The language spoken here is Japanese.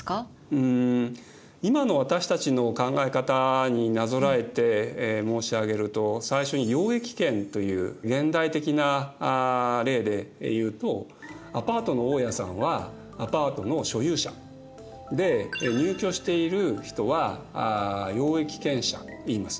うん今の私たちの考え方になぞらえて申し上げると最初に用益権という現代的な例で言うとアパートの大家さんはアパートの所有者。で入居している人は用益権者といいます。